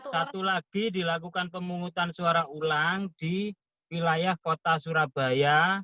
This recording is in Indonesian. satu lagi dilakukan pemungutan suara ulang di wilayah kota surabaya